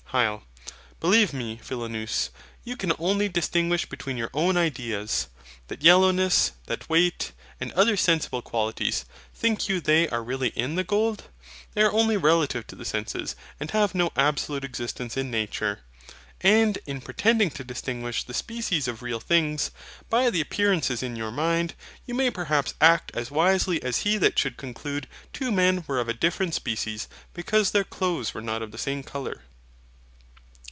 HYL. Believe me, Philonous, you can only distinguish between your own ideas. That yellowness, that weight, and other sensible qualities, think you they are really in the gold? They are only relative to the senses, and have no absolute existence in nature. And in pretending to distinguish the species of real things, by the appearances in your mind, you may perhaps act as wisely as he that should conclude two men were of a different species, because their clothes were not of the same colour.